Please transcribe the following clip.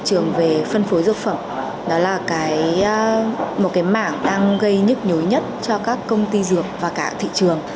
thị trường về phân phối dược phẩm đó là một cái mảng đang gây nhức nhối nhất cho các công ty dược và cả thị trường